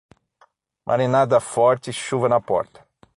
Marinada forte, chuva na porta.